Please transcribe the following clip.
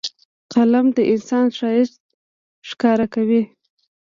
قلم د انسان ښایست ښکاره کوي